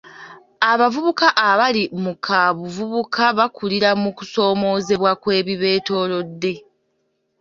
Abavubuka abali mu kaabuvubuka bakulira mu kusoomoozebwa kw'ebibeetoolodde